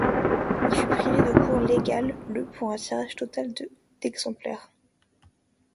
Il fut privé de cours légal le pour un tirage total de d'exemplaires.